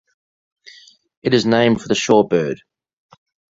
It is named for the shore bird.